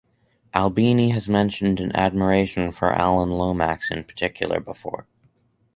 Albini has mentioned an admiration for Alan Lomax in particular before.